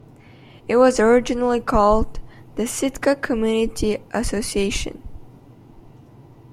It was originally called the Sitka Community Association.